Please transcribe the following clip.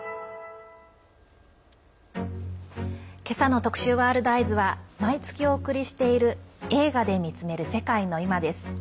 今朝の特集「ワールドＥＹＥＳ」は毎月お送りしている「映画で見つめる世界のいま」。